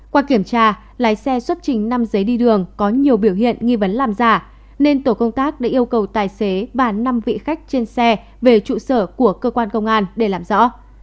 qua kiểm tra lái xe xuất trình năm giấy đi đường có nhiều biểu hiện nghi vấn làm giả nên tổ công tác đã yêu cầu tài xế và năm vị khách trên xe về trụ sở của cơ quan công an để làm rõ